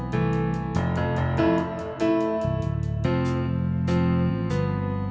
yang bhagatnight atau ih